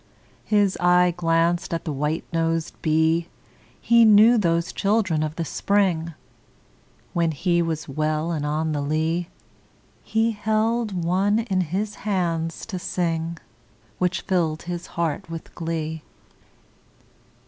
His eye glanced at the white nosed bee; He knew those children of the spring: When he was well and on the lea He held one in his hands to sing, Which filled his heart with glee.